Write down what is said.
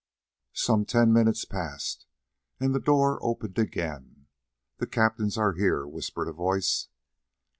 Some ten minutes passed and the door opened again. "The captains are here," whispered a voice.